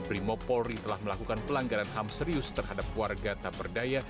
brimo polri telah melakukan pelanggaran ham serius terhadap warga tak berdaya